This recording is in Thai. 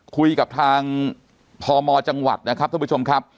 คุยกับทางพมจังหวัดนะครับท่านผู้ชมครับ